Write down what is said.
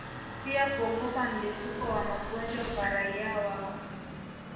pia kuogopa mlipuko wa magonjwa kwa raia wao